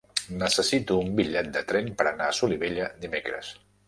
Necessito un bitllet de tren per anar a Solivella dimecres.